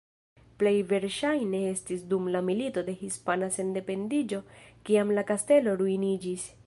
Plej verŝajne estis dum la Milito de Hispana Sendependiĝo kiam la kastelo ruiniĝis.